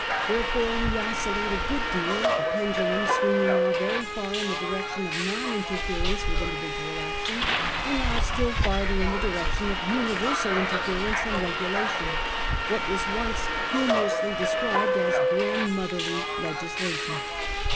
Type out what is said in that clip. There fore we oscillate a good deal, the pendulum swinging now very far in the direction of non interference with individual action, and now still farther in the direc tion of universal interference and regulation — what was once humorously described as grandmotherly legislation.